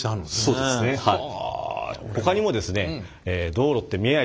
そうですねはい。